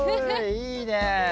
いいね！